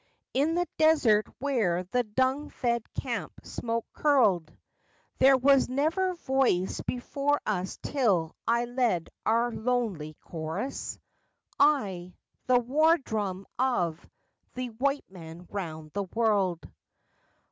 _" In the desert where the dung fed camp smoke curled There was never voice before us till I led our lonely chorus, I the war drum of the White Man round the world!